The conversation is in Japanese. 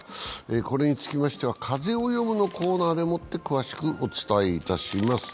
これにつきましては、「風をよむ」のコーナーで詳しくお伝えいたします。